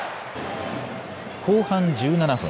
後半１７分。